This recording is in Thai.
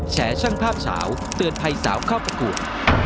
แฉชั่งภาพเฉาเตือนไพสาวเข้าประกวด